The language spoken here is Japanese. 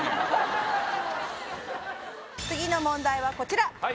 次の問題はこちら。